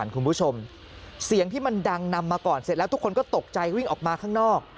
คุณผู้ชมเสียงที่มันดังนำมาก่อนเสร็จแล้วทุกคนก็ตกใจวิ่งออกมาข้างนอก